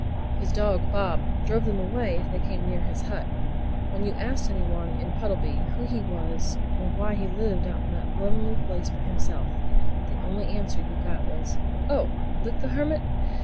His dog, Bob, drove them away if they came near his hut. When you asked anyone in Puddleby who he was or why he lived out in that lonely place by himself, the only answer you got was, "Oh, Luke the Hermit?